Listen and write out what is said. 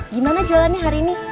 gimana jualannya hari ini